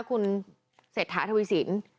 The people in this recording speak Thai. คุณเศรษฐาทวีสิน